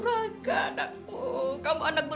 masa allah anakmu